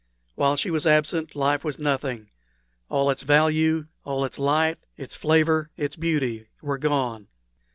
While she was absent, life was nothing; all its value, all its light, its flavor, its beauty, were gone.